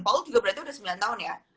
paul juga berarti sudah sembilan tahun ya